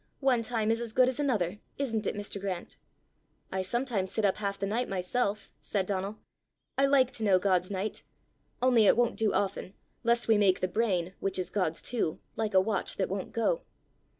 One time is as good as another isn't it, Mr. Grant?" "I sometimes sit up half the night myself," said Donal. "I like to know God's night. Only it won't do often, lest we make the brain, which is God's too, like a watch that won't go."